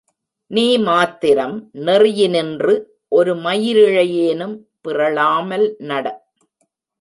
நீ மாத்திரம் நெறியினின்று ஒரு மயிரிழையேனும் பிறழாமல் நட.